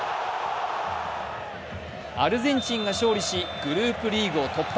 アルゼンチンが勝利し、グループリーグを突破。